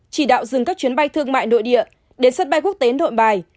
chỉ đạo dừng các chuyến bay thương mại nội địa đến sân bay quốc tế nội bài